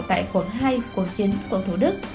tại quận hai quận chín quận thủ đức